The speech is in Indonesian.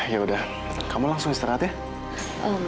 yaudah kamu langsung istirahat ya